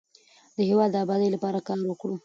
د هیواد د ابادۍ لپاره کار وکړو.